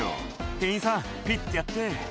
店員さんピッてやって」